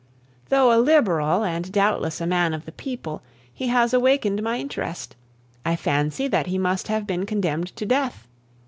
Though a Liberal, and doubtless a man of the people, he has awakened my interest: I fancy that he must have been condemned to death.